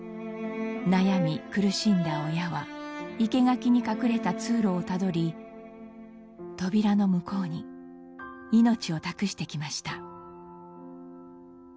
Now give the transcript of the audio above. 悩み苦しんだ親は生け垣に隠れた通路をたどり扉の向こうに命を託してきました。